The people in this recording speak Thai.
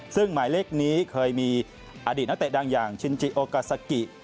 ซึ่งหมายเลขนี้เคยมีอดีตนักเตะดังอย่างชินจิโอกาซากิ